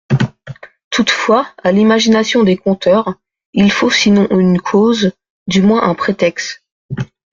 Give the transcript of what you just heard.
Toutefois, à l'imagination des conteurs, il faut sinon une cause, du moins un prétexte.